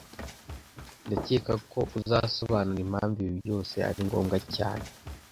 Ndakeka ko uzasobanura impamvu ibi byose ari ngombwa cyane